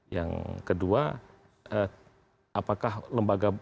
yang kedua apakah lembaga